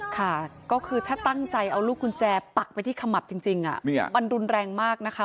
ค่ะก็คือถ้าตั้งใจเอาลูกกุญแจปักไปที่ขมับจริงมันรุนแรงมากนะคะ